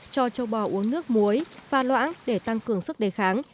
cho châu bò uống nước muối pha loãng để tăng cường sức đề kháng